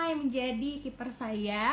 yang menjadi keeper saya